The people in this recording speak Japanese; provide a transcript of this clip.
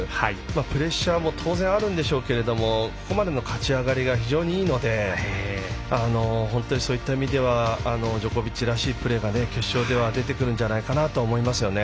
プレッシャーも当然あるんでしょうけどここまでの勝ち上がりが非常にいいので本当にそういった意味ではジョコビッチらしいプレーが決勝では出てくるんじゃないかなと思いますね。